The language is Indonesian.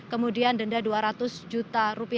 kemudian denda rp dua ratus juta